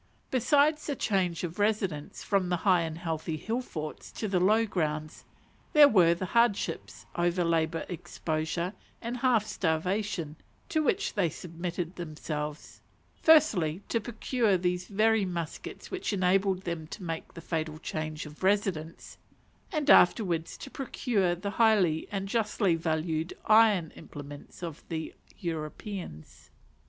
Besides the change of residence from the high and healthy hill forts to the low grounds, there were the hardship, over labour, exposure, and half starvation, to which they submitted themselves firstly, to procure these very muskets which enabled them to make the fatal change of residence and afterwards to procure the highly and justly valued iron implements of the Europeans.